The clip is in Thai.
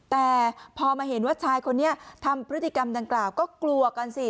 แต่พอมาเห็นว่าชายคนนี้ทำพฤติกรรมดังกล่าวก็กลัวกันสิ